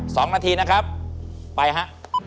สองนาทีนะครับไปฮะ